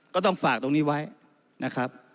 ก็ต้องฝากตรงนี้ไว้นะครับ